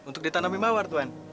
untuk ditanami mawar tuan